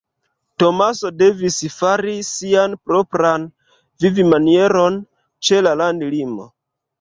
Tomaso devis fari sian propran vivmanieron ĉe la landlimo.